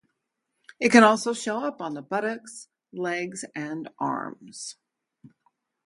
It can also show up on the buttocks, legs, and arms.